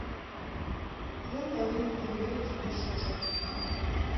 Ён павінен быў ведаць у першую чаргу.